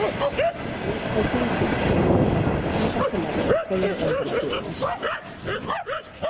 Hai que dicir que a primeira concentración parcelaria foi en Cantalapiedra.